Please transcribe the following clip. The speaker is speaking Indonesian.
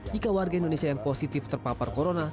jika warga indonesia yang positif terpapar corona